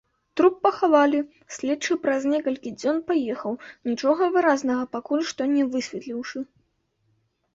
Труп пахавалі, следчы праз некалькі дзён паехаў, нічога выразнага пакуль што не высветліўшы.